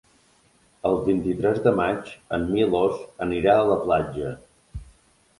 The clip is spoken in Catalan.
El vint-i-tres de maig en Milos anirà a la platja.